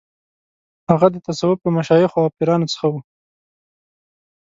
هغه د تصوف له مشایخو او پیرانو څخه و.